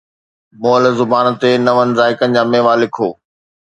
مئل زبان تي نون ذائقن جا ميوا لکو